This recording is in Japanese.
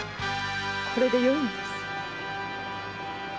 これでよいのです。